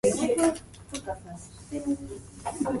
All songs by Mike Muir unless otherwise noted.